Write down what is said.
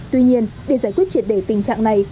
tuy nhiên để giải quyết triệt đề tình trạng này